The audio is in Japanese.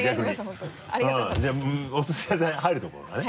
じゃあおすし屋さんに入るところからね。